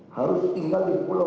harus tinggal di pulau